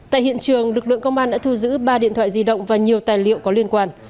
tại hiện trường lực lượng công an đã thu giữ ba điện thoại di động và nhiều tài liệu có liên quan